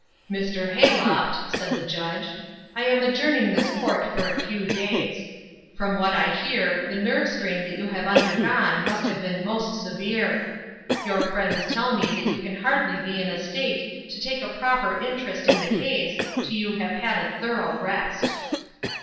"Mr. Hayloft," said the judge, "I am adjourning this court for a few days. From what I hear the nerve strain that you have undergone must have been most severe. Your friends tell me that you can hardly be in a state to take a proper interest in the case till you have had a thorough rest."